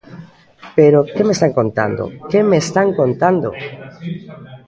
Pero ¿que me están contando?, ¿que me están contando?